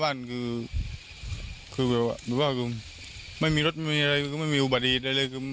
เพราะว่าคือพ่ออยู่หน้าบ้านคือไม่มีรถไม่มีอะไรไม่มีอุบัติอีดอะไรเลย